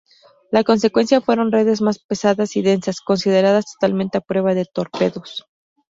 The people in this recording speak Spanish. La consecuencia fueron redes más pesadas y densas, consideradas totalmente a prueba de torpedos.